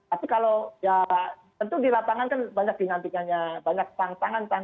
tapi kalau ya tentu di lapangan kan banyak diantikannya banyak tantangan tantangan ditentukan ya